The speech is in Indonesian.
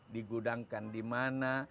digudangkan di mana